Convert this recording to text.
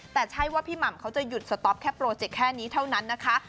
แต่ใช่ว่าพี่หม่ำเขาจะหยุดสต๊อปแค่โปรเจกต์แค่นี้เท่านั้นนะคะ